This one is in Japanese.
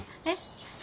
えっ？